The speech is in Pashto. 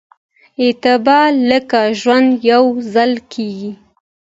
اعتبار لکه ژوند يوځل کېږي